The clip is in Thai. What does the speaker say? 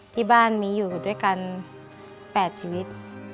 ที่บ้านมีอยู่ด้วยกัน๘ชีวิต